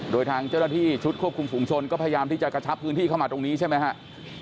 โดยทางเจ้าหน้าที่ชุดควบคุมฝุงชนก็พยายามที่จะกระชับพื้นที่เข้ามาตรงนี้ใช่ไหมครับ